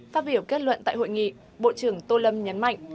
phát biểu kết luận tại hội nghị bộ trưởng tô lâm nhấn mạnh